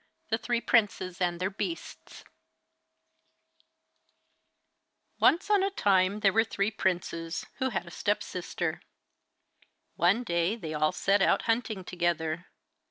THE THREE PRINCES AND THEIR BEASTS (LITHUANIAN FAIRY TALE) Once on a time there were three princes, who had a step sister. One day they all set out hunting together.